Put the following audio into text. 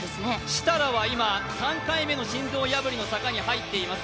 設楽は今、３回目の心臓破りの坂に入っています。